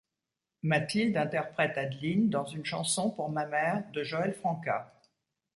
Mathilde interprète Adeline dans Une chanson pour ma mère de Joël Franka.